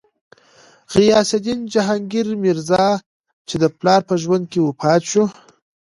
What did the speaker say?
غیاث الدین جهانګیر میرزا، چې د پلار په ژوند کې وفات شو.